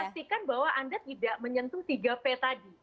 pastikan bahwa anda tidak menyentuh tiga p tadi